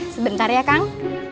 sebentar ya kang